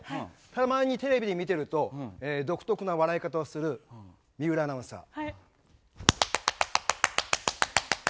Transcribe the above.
たまにテレビで見ていると独特な笑い方をする水卜アナウンサー。